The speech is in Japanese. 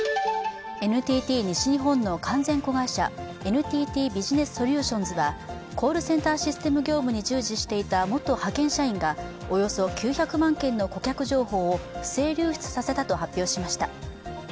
ＮＴＴ西日本の完全子会社、ＮＴＴビジネスソリューションズはコールセンターシステム業務に従事していた元派遣社員がおよそ９００万件の顧客情報を不正流出させたと発表しました。